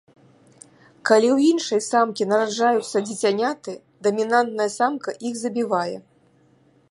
Калі ў іншай самкі нараджаюцца дзіцяняты, дамінантная самка іх забівае.